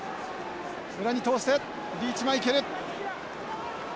裏に通してリーチマイケル。